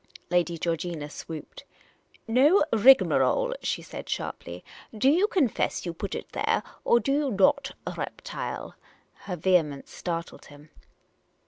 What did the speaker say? Lady Georgina swooped. " No rigmarole !" she said, sharply. '' Do you confess you put it there or do you not — reptile ?'' Her vehemence startled him.